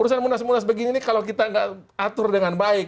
urusan munas munas begini ini kalau kita nggak atur dengan baik